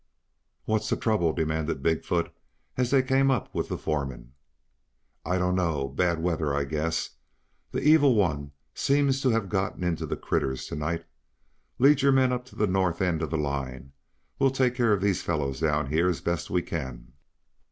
"What's the trouble!" demanded Big foot as they came up with the foreman. "I don't know. Bad weather, I guess. The evil one seems to have gotten into the critters to night. Lead your men up to the north end of the line. We will take care of these fellows down here as best we can."